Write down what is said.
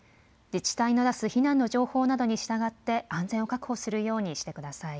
自治体の出す避難の情報などに従って安全を確保するようにしてください。